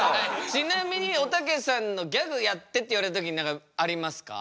ちなみにおたけさんのギャグやってって言われた時に何かありますか？